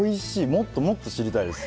もっともっと知りたいです。